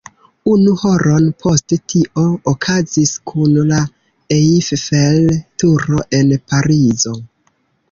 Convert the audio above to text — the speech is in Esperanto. Unu horon poste tio okazis kun la Eiffel-Turo en Parizo.